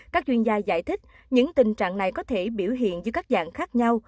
các chuyên gia giải thích những tình trạng này có thể biểu hiện dưới các dạng khác nhau